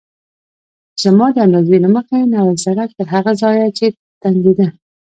زما د اندازې له مخې نوی سړک تر هغه ځایه چې تنګېده.